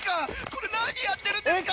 これ何やってるんですか！？